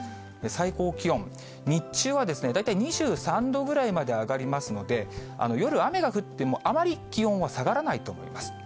最高気温、日中は大体２３度ぐらいまで上がりますので、夜、雨が降っても、あまり気温は下がらないと思います。